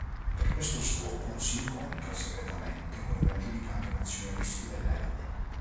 Per questo scopo si incontra segretamente con i maggiori capi nazionalisti dell'epoca.